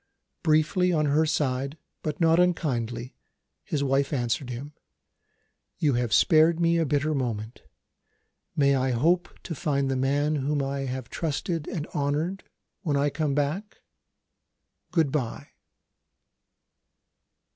Briefly on her side, but not unkindly, his wife answered him: "You have spared me a bitter moment. May I hope to find the man whom I have trusted and honoured, when I come back? Good bye."